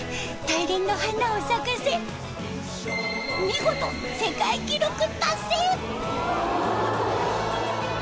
大輪の花を咲かせ見事世界記録達成！